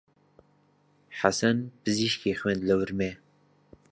حەسەن پزیشکی خوێند لە ورمێ.